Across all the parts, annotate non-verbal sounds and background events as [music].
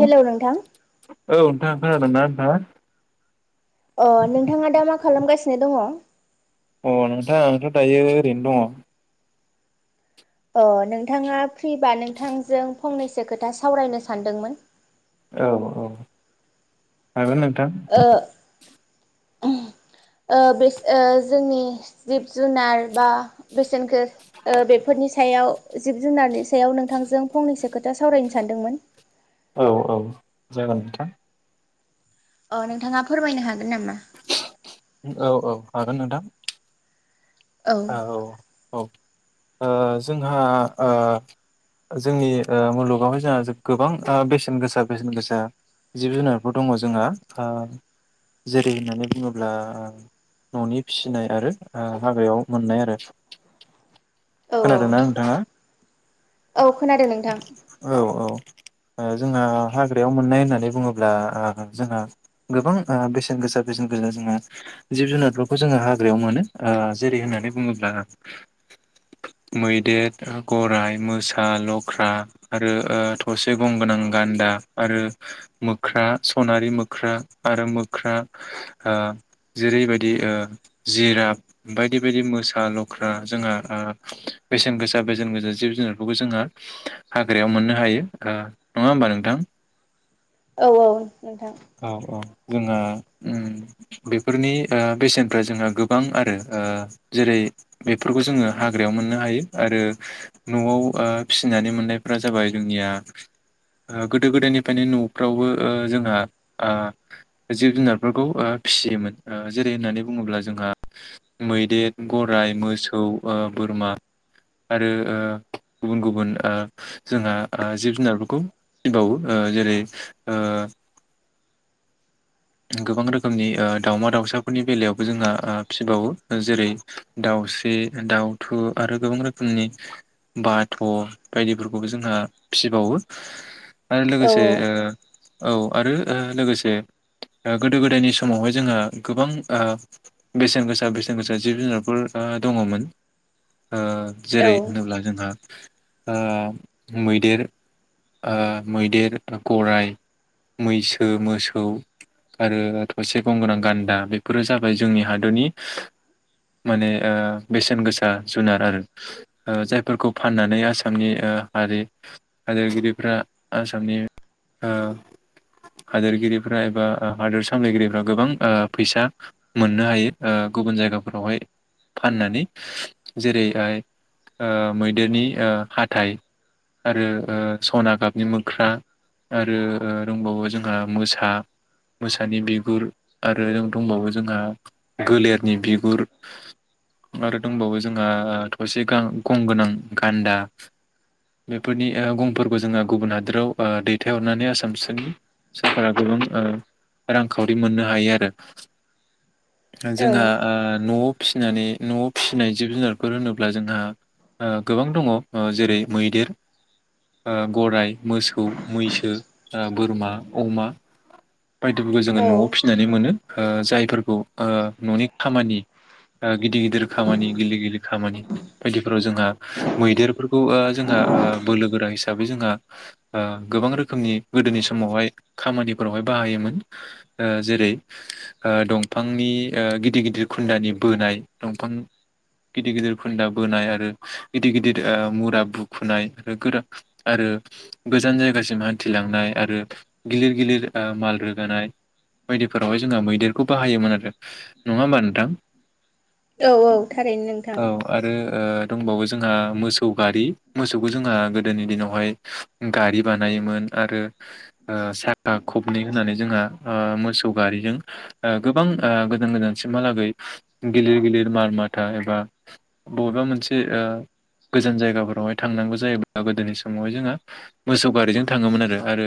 Hello नोंथां। औ नोंथां खोनादोंना नोंथाङा? अ नोंथाङा दा मा खालामगासिनो दङ? अ नोंथां आंथ' दायो ओरैनो दङ। ओ-नोंथाङा फ्रिबा नोंथांजों फंनैसो खोथा सावरायनो सानदोंमोन। औ औ हागोन नों। ओ। उमह ओ-बे ओ-जोंनि जिब जुनार बा बेसेनखो बेफोरनि सायाव जिब जुनारनि सायाव नोंथांजों फंनैसो खोथा सावरायनो सानदोंमोन। औ औ जागोन नोंथां। अ नोंथाङा फोरमायनो हागोन नामा। औ औ हागोन नोंथां। आ औ औ। ओ-जोंहा-ओ जोंनि ओ-मुलुगावहाय जोंहा गोबां ओ-बेसेन गोसा बेसेन गोसा जिब जुनारफोर दङ जोंहा ओ जेरै होननानै बुङोब्ला ओ ननि फिसिनाय आरो ओ हाग्रायाव। मोननाय आरो। औ खोनादोंना नोंथाङा। औ खोनादों नोंथां। औ औ ओ जोंहा हाग्रायाव मोननाय होननानै बुङोब्ला-ओ जोंहा गोबां ओ बेसेन गोसा बेसेन गोसा जोंहा जिब जुनारफोरखौ जोङो हाग्रायाव मोनो ओ जेरै होनो। होननानै बुङोब्ला मैदेर गराइ मोसा लख्रा आरो ओ-थसे गंगोनां गान्दा आरो मोख्रा सनारि मोख्रा आरो मोख्रा ओ जेरैबायदि ओ जिरा बायदि। बिदि मोसा लख्रा जोंहा ओ बेसेन गोसा बेसेन गोजा जिब जुनारफोरखौ जोंङो हाग्रायाव मोननो हायो-ओ नङा होमबा नोंथां। औ औ नोंथां औ औ जोंहा ओम बेफोरनि ओ-बेसेनफ्रा जोंहा गोबां आरो ओ जेरै बेफोरखौ जोङो हाग्रायाव मोननो हायो आरो नआव-ओ फिसिनानै मोननायफोरा जाबाय जोंनिया ओ- गोदो-गोदायनिफ्रायनो नफ्रावबो-ओ जोंहा ओ जिब-जुनारफोरखौ फिसियोमोन जेरै होननानै बुङोब्ला जोंहा मैदेर। गराय मोसौ ओ-बोरमा आरो-ओ गुबुन गुबुन-ओ जोंहा-ओ जिब जुनारफोरखौ फिबावो ओ जेरै ओ गोबां रोखोमनि-ओ दाावमा दाउसाफोरनि बेलायावबो जोंना-ओ फिसिबावो जेरै दाउस्रि दाउथु आरो गोबां रोखोमनि बाथ बायदिफोरखौबो जोंहा फिसिबावो। आरो औ लोगोसे ओ औ आरो लोगोसे। ओ-गोदो गोदायनि समावहाय जोंहा गोबां-ओ बेसेन गोसा बेसेन गोसा जिब जुनारफोर ओ-दङमोन। औ ओ-जेरै होनोब्ला जोंहा। ओ मैदेर ओ-मैदेर गराय मैसो मोसौ आरो थसे गं गोनां गान्दा बेफोरो जाबाय जोंनि हादरनि माने ओ- बेसेन गोसा जुनार आरो ओ-जायफोरखौ फाननानै आसामनि-ओ हारि हादोरगिरिफ्रा आसामनि ओ हादोरगिरिफ्रा। बा हादोर सामलायगिरिफ्रा गोबां ओ-फैसा। मोननो हायो ओ-गुबुन जायगाखौ। फोरावहाय फाननानै जेरैहाय‌ ओ-मैदेरनि हाथाइ आरो सना गाबनि मोख्रा आरो दंबावो जोंहा मोसा। मोसानि बिगुर। आरो दंबावो जोंहा गोलेरनि बिगुर आरो दंबावो जोंहा थसे गां-गं- गोनां गान्दा बेफोरनि ओ गंफोरखौ जोंहा गुबुन हादोराव ओ दैथायहरनानै आसामसि। सोरकारा गोबां। रांखावरि मोननो हायो आरो। औ जोंहा ओ न फिसिनानै नआव फिसिनाय जिब-जुनारफोर होनोब्ला जोंहा-ओ गोबां दङ ओ-जेरै मैदेर ओ-गराय मोसौ मैसो ओ-बोरमा अमा। बायथफोरखौ जोङो औ नआव फिनानै मोनो। ओ-जायफोरखौ ओ-ननि खामानि ओ-गिदिर-गिदिर खामानि गिलिर-गिलिर खामानि बायदिफोराव जोंहा मैदेरफोरखौ ओ-जोंहा ओ-बोलो गोरा हिसाबै जोंहा ओ गोबां रोखोमनि गोदोनि समावहाय खामानिफोरावहाय। बाहायोमोन ओ जेरै ओ-दंफांनि ओ-गिदिर-गिदिर खुन्दानि बोनाय दंफां गिदिर गिदिर खुन्दा बोनाय आरो गिदिर गिदिर ओ-मुरा बुखुनाय आरो गोदान आरो गोजान जायगासिम हान्थिलांनाय आरो गिलिर-गिलिर ओ माल रोगानाय बायदिफोरावहाय जोंहा मैदेरखौ बाहायोमोन आरो। नङा होमबा नोंथां औ औ थारैनो नोंथां। औ आरो ओ दंबावो जोंहा मोसौ गारि मोसौखौ जोंहा गोदोनि दिनावहाय गारि बानायोमोन आरो ओ साखा खबनै होननानै जोंहा ओ मोसौ गारिजों ओ गोबां ओ गोजान गोजानसिमहालागै गिलिर गिलिर माल माथा एबा बबेबा मोनसे ओ गोजान जायगाफोरावहाय थांनांगौ जायोबा गोदोनि समावहाय जोंहा मोसौ गारिजों थाङोमोन आरो आरो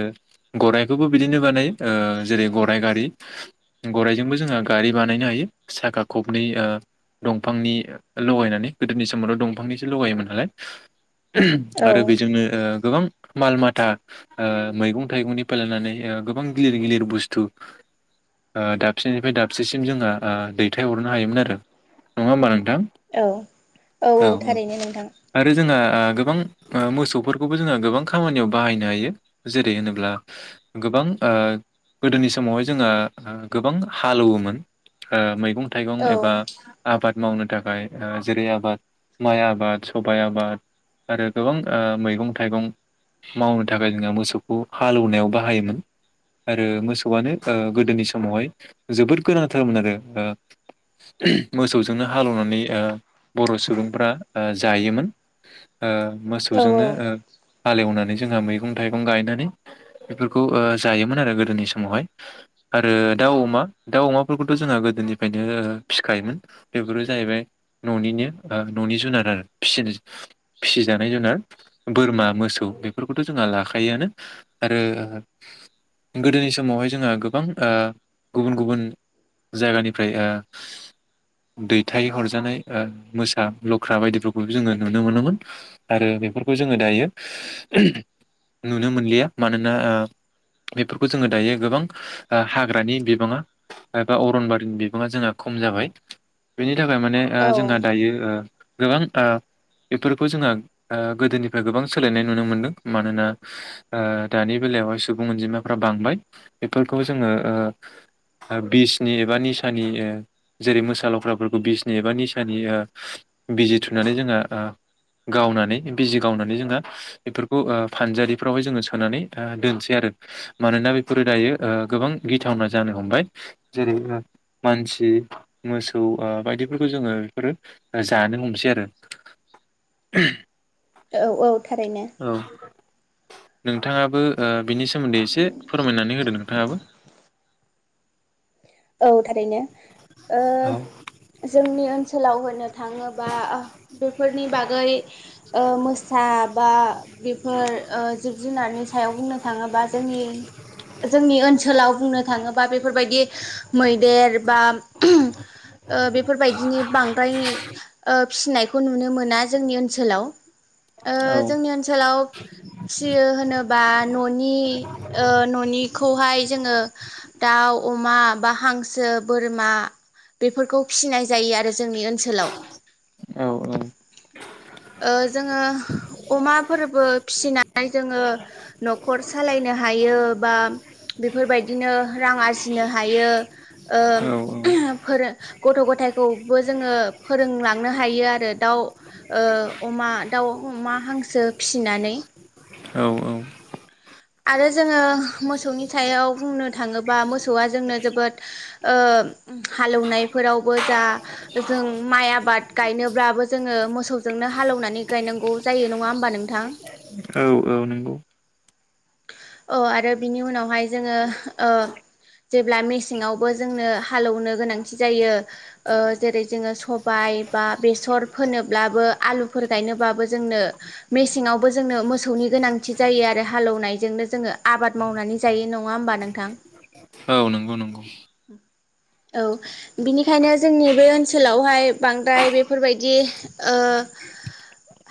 गराइखौबो बिदिनो बानायो ओ जेरै गराइ गारि गराइजोंबो जोंहा गारि बानायनो हायो साखा खबनै ओ दंफांनि लगायनानै गोदोनि समावथ' दंफांनिसो लगायोमोन नालाय आरो औ बेजोंनो ओ गोबां माल माथा ओ मैगं थाइगंनिफ्राय लानानै ओ गोबां गिलिर गिलिर बुस्थु ओ दाबसेनिफ्राय दाबसेसिम जोंहा ओ दैथायहरनो हायोमोन आरो नङा होमबा नोंथां। औ औ औ थारैनो नोंथां आरो जोंहा ओ गोबां मोसौफोरखौबो जोङो गोबां खामानियाव बाहायनो हायो जेरै होनोब्ला गोबां ओ गोदोनि समावहाय जोंहा ओ गोबां हालौवोमोन ओ मैगं थाइगं औ एबा आबाद मावनो थाखाय ओ जेरै आबाद माइ आबाद सबाय आबाद आरो गोबां मैगं थाइगं मावनो थाखाय जों मोसौखौ हालौवनायाव बाहाय बाहायोमोन आरो मोसौआनो ओ गोदोनि समावहाय जोबोद गोनांथारमोन आरो ओ मोसौजोंनो हालेवनानै ओ बर' सुबुंफ्रा ओ जायोमोन। ओ मोसौजोंनो ओ औ हालेवनानै जोंहा मैगं थाइगं गायनानै बेफोरखौ ओ जायोमोन आरो गोदोनि समावहाय आरो दाउ अमा दाउ अमाफोरखौथ' जोंहा गोदोनिफ्रायनो फिखायोमोन बेफोरो जाहैबाय न'निनो ओ न'नि जुनार आरो फिनो फिसिजानाय जुनार बोरमा मोसौ बेफोरखौथ' जोंहा लाखायोआनो। आरो गोदोनि समावहाय जोंहा गोबां ओ गुबुन गुबुन जायगानिफ्राय ओ दैथायहरजानाय ओ मोसा लख्रा बायदिफोरखौबो जोङो नुनो मोनोमोन आरो बेफोरखौ जोङो दायो नुनो मोनलिया मानोना ओ बेफोरखौ जोङो दायो ओ गोबां हाग्रानि बिबाङा एबा अरनबारिनि बिबाङा जोंहा खम जाबाय बेनि थाखाय माने ओ औ जोंहा दायो ओ गोबां ओ बेफोरखौ जोंहा ओ गोदोनिफ्राय गोबां सोलायनाय नुनो मोनदों मानोना ओ दानि बेलायावहाय सुबुं अनजिमाफ्रा बांबाय बेफोरखौजोङो ओ बिसनि एबा निसानि ओ जेरै मोसा ल'क्राफोरखौ बिसनि एबा निसानि ओ बिजि थुनानै जोंहा ओ गावनानै बिजि गावनानै जोङो बेफोरखौ ओ फानजारिफ्रावहाय जोङो सोनानै दोनसै आरो मानोना बेफोरो दायो ओ गोबां गिथावना जानो हमबाय जेरै ओ मानसि मोसौ ओ बायदि बेफोरखौ जोङो बेफोरो जानो हमसै आरो। औ औ थारैनो नोंथाङा ओ बिनि सोन्दै एसे फोरमायनानै होदों नोंथाङाबो। औ थारैनो ओ औ जोंनि ओनसोलाव होन थाङोबा बेफोरनि बा गै ओ मोसा बा बेफोर ओ जिब जुनारनि सायाव बुंनो थाङोबा जोंनि जोंनि ओनसोलाव बुंनो थाङोबा बेफोरबायदि मैदेर बा ओ बेफोरबायदिनि बांद्राय ओ फिसिनायखौ नुनो मोना जोंनि ओनसोलाव। ओ औ जोंनि ओनसोलाव फियो होनोबा न'नि ओ न'निखौहाय जोङो दाउ मा बा हांसो बोरमा बेफोरखौ फिसिनाय जायो आरो जोंनि ओनसोलाव सोलाव औ ओ जोङो अमाफोरबो फिसिनानै जोङो न'खर सालायनो हायो बा बेफोरबायदिनो रां आरजिनो हायो। ओ औ फोर गथ' गथखौबो जों [unintelligible] फोरोंलांनो हायो आरो दाउ ओ अमा दाउ अमा हांसो फिसिनानै। औ औ आरो जोङो मोसौनि सायाव बुंनो थाङोबा मोसौआ जोंनो जोबोद ओ हालौवनायफोरावबो जा जों माइ आबाद गायनोब्लाबो जोङो मोसौजोंनो हालौवनानै गायनांगौ जायो नङा होमबा नोंथां? औ औ नों औ आरो बिनि उनावहाय जोङो ओ जेब्ला मेसेङआवबो जोंनो हालेवनो गोनांथि जायो ओ जेरै जोङो सबाय बा बेसर फोनोब्लाबो आलुफोर गायनोबबो जोंनो मेसेंआवबो जोंनो मोसौनि गोनांथि जायो आरो हालौनाय जोंनो जोङो आबाद मावनानै जायो नङा होमबा नोंथां? औ नंगौ नों औ बिनिखायनो जोंनि बे ओनसोलावहाय बांद्राय बेफोरबायदि ओ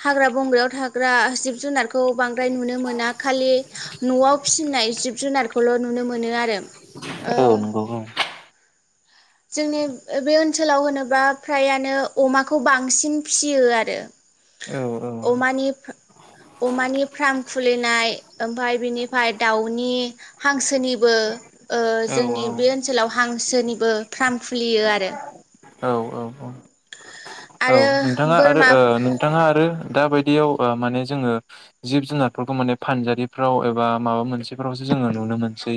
हाग्रा बंग्रायाव थाग्रा जिब जुनारखौ बांद्राय नुनो मोना खालि न'आव फिसिनाय जिब जुनारखौल' नुनो मोनो आरो ओ औ नंगौ औ जोंनि बे ओनसोलाव होनोबा फ्रायानो अमाखौ बांसिन फिसियो आरो औ औ अमानि अमानि फ्राम खुलिनाय ओमफाय बिनिफाय दाउनि हांसोनिबो ओ जोंनि बे ओनसोलाव हांसोनिबो फ्राम खुलियो आरो औ औ आरो नोंथाङा आरो बोरमा ओ नोंथाङा आरो दा बायदियाव ओ माने जोङो जिब जुनारफोरखौ माने फानजारिफ्राव एबा माबा मोनसेफोरावसो जोङो नुनो मोनसै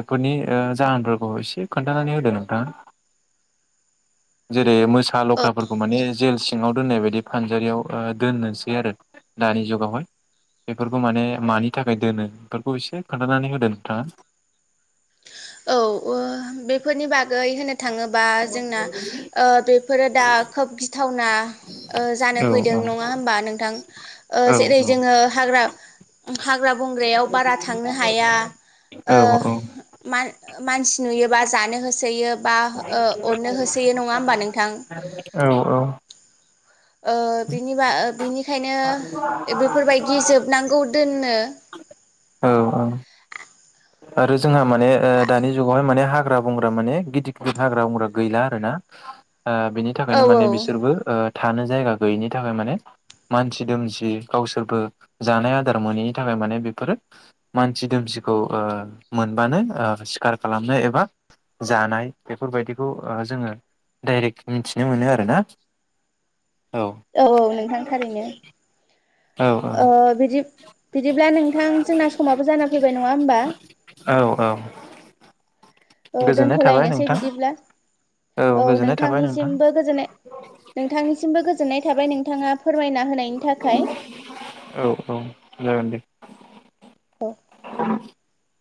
बेफोरनि ओ जाहोनफोरखौ एसे खोन्थानानै होदो नोंथाङा। जेरै मो सा लख्राफोरखौ माने जेल सिङाव दोननाय बायदि फानजारियाव ओ दोननोसै आरो दानि जुगावहाय बेफोरखौ माने मानि थाखाय दोनो बेफोरखौ एसे खोन्थानानै होदो नोंथाङा। औ ओ बेफोरनि बागै होननो थाङोबा जोंना ओ बे फोरो दा खोब गिथावना ओ जानो औ फैदों औ नङा होमबा नोंथां ओ औ जेरै जोङो हाग्रा हाग्रा बंग्रायाव बारा थांनो हाया ओ औ मानसि नुयोबा जानो होसोयो। बा ओ अरनो होसोयो नङा होमबा नोंथां [inaudible] औ औ ओ बिनि बा ओ बिनि खायनो बेफोरबायदि जोबनांगौ दोनो औ आरो जोंहा माने ओ दानि जुगावहाय माने हाग्रा बंग्रा माने गिदिर गिदिर हाग्रा बंग्रा गैला आरो ना ओ बिनि औ थाखायनो औ माने बिसोरबो ओ थानो जायगा गैयिनि थाखाय माने मानसि दोमसि गावसोरबो जानाय आदार मोनैनि थाखाय माने बेफोरो मानसि दोमसिखौ ओ मोनबानो सिखार खालामनाय एबा जानाय बेफोरबायदिखौ जोङो डाइरेक्ट मिथिनो मोनो आरोना। औ औ नोंथां थारैनो। औ ओ बिदि बिदिब्ला नोंथां जोंना समाबो जाना फैबाय नङा होमबा? औ औ। औ गोजोननाय थाबाय दोनथ'लायनोसै नोंथां बिदिब्ला औ गोजोननाय थाबाय नोंथां नोंथांनिसिमबो गोजोननाय नोंथांनिसिमबो गोजोननाय थाबाय नोंथाङा फोरमायना होनायनि थाखाय। औ औ [unintelligible] औ [unintelligible]